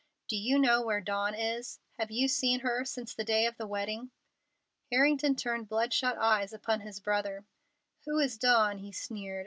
Do you know where Dawn is? Have you seen her since the day of the wedding?" Harrington turned bloodshot eyes upon his brother. "Who is Dawn?" he sneered.